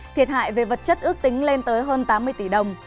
thiệt hại về vật chất ước tính lên tới hơn tám mươi tỷ đồng